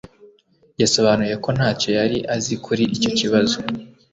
yasobanuye ko ntacyo yari azi kuri icyo kibazo